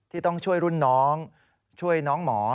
ที่ต้องช่วยรุ่นน้องช่วยน้องหมอ